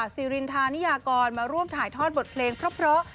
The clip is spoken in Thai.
ซีรินทานิยากรมาร่วมถ่ายทอดบทเพลงเพราะ